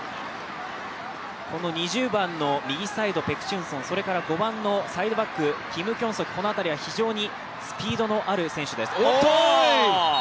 この２０番の右サイドペク・チュンソン、５番のサイドバック、キム・キョンソク、このあたりはスピードのある選手です。